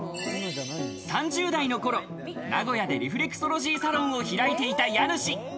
３０代の頃、名古屋でリフレクソロジーサロンを開いていた家主。